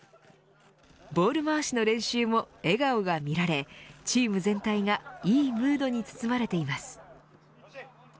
ボール回しの練習も笑顔が見られチーム全体がいいムードに包まれています。